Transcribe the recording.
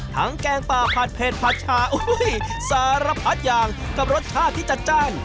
แกงป่าผัดเผ็ดผัดชาสารพัดอย่างกับรสชาติที่จัดจ้าน